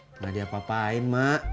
enggak diapa apain mak